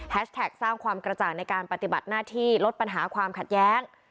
สร้างความกระจ่างในการปฏิบัติหน้าที่ลดปัญหาความขัดแย้ง